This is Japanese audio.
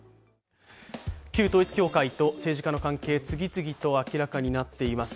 旧統一教会と政治家の関係、次々と明らかになっています。